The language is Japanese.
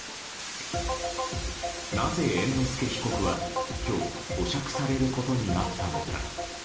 なぜ猿之助被告は今日保釈されることになったのか。